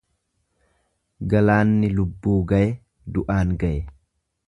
Galaanni lubbuu gaye du'aan gaye.